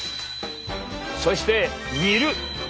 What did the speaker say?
そして「煮る」！